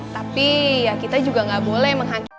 tapi ya kita juga gak boleh menghangat